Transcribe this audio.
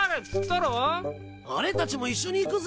俺たちも一緒に行くぜ。